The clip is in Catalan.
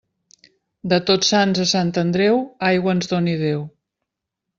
De Tots Sants a Sant Andreu, aigua ens doni Déu.